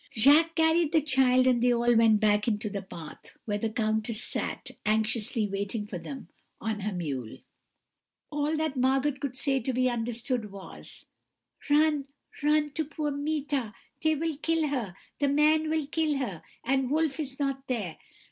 "Jacques carried the child, and they all went back into the path, where the countess sat, anxiously waiting for them, on her mule. "All that Margot could say to be understood was: "'Run, run, to poor Meeta they will kill her; the man will kill her, and Wolf is not there.'